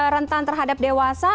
rentan terhadap dewasa